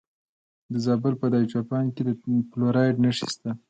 د زابل په دایچوپان کې د فلورایټ نښې شته.